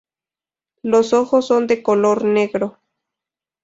Los ojos son de color negro.